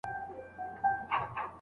بریا یې په برخه ده.